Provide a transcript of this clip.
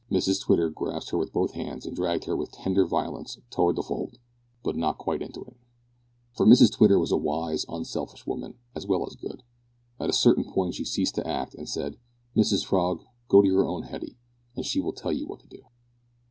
Mrs Twitter grasped her with both hands and dragged her with tender violence towards the Fold, but not quite into it. For Mrs Twitter was a wise, unselfish woman, as well as good. At a certain point she ceased to act, and said, "Mrs Frog, go to your own Hetty, and she will tell you what to do."